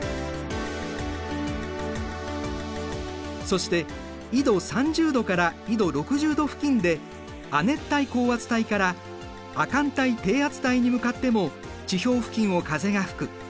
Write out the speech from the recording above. そして緯度３０度から緯度６０度付近で亜熱帯高圧帯から亜寒帯低圧帯に向かっても地表付近を風が吹く。